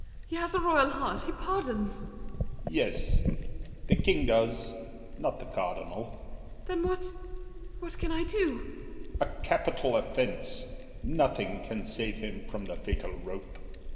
He has a royal heart; he pardons. L'ANGELY. Yes, The King does, not the Cardinal. MARION. Then, what— What can I do? L'ANGELY. A capital offense, Nothing can save him from the fatal rope.